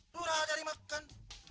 sudah cari makan